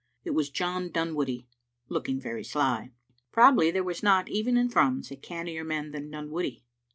It was John Dunwoodie, looking very sly. Probably there was not, even in Thrums, a cannier man than Dunwoodie.